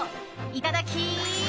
いただき！